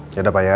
yaudah pak ya